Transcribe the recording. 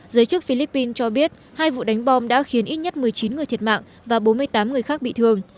giới chức philippines cho biết hai vụ đánh bom đã khiến ít nhất một mươi chín người thiệt mạng và bốn mươi tám người khác bị thương